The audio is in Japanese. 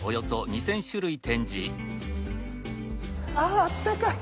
ああったかい。